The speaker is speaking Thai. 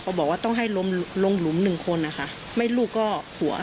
บอกว่าต้องให้ล้มลงหลุมหนึ่งคนนะคะไม่ลูกก็ผัว